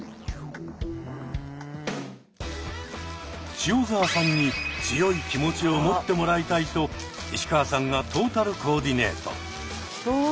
塩澤さんに強い気持ちを持ってもらいたいと石川さんがトータルコーディネート。